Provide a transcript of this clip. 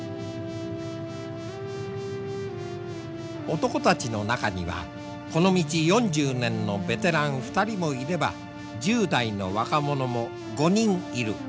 男たちの中にはこの道４０年のベテラン２人もいれば１０代の若者も５人いる。